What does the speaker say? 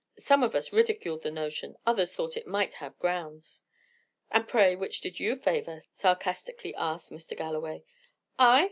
Some of us ridiculed the notion; others thought it might have grounds." "And pray, which did you favour?" sarcastically asked Mr. Galloway. "I?